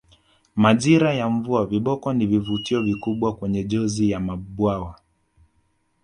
Majira ya mvua viboko ni vivutio vikubwa kwenye jozi ya mabwawa